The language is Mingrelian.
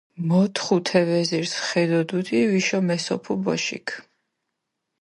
მოთხუ თე ვეზირს ხე დო დუდი ვიშო მესოფუ ბოშიქ.